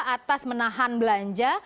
atas menahan belanja